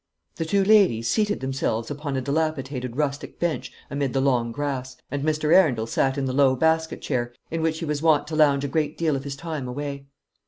The two ladies seated themselves upon a dilapidated rustic bench amid the long grass, and Mr. Arundel sat in the low basket chair in which he was wont to lounge a great deal of his time away.